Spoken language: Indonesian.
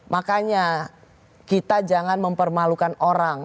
makanya kita jangan mempermalukan orang